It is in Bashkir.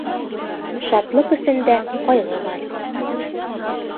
Шатлыҡ эсендә ҡайғы бар